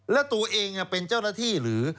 แล้วตัวเองเป็นเจ้าหน้าที่หรือ